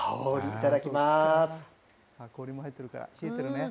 いただきます。